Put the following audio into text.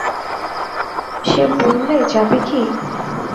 সে বললে, যাবে কি!